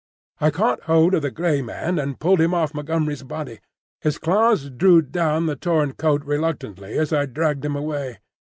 I caught hold of the grey man and pulled him off Montgomery's body; his claws drew down the torn coat reluctantly as I dragged him away.